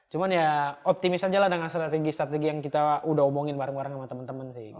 cuma ya optimis aja lah dengan strategi strategi yang kita udah omongin bareng bareng sama temen temen sih